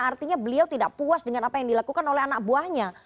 artinya beliau tidak puas dengan apa yang dilakukan oleh anak buahnya